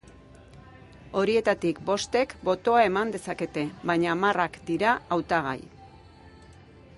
Horietatik bostek botoa eman dezakete, baina hamarrak dira hautagai.